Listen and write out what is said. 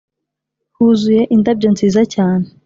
huzuye indabyo nziza cyane,